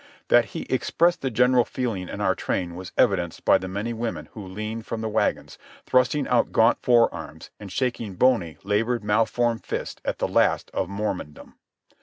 That he expressed the general feeling in our train was evidenced by the many women who leaned from the wagons, thrusting out gaunt forearms and shaking bony, labour malformed fists at the last of Mormondom.